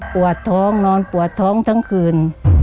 ปวดท้องนอนปวดท้องทั้งคืน